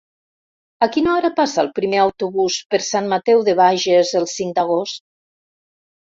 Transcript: A quina hora passa el primer autobús per Sant Mateu de Bages el cinc d'agost?